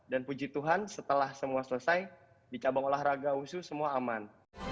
puji tuhan setelah semua selesai di cabang olahraga wushu semua aman